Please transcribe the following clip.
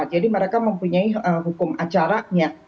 jadi mereka mempunyai hukum acaranya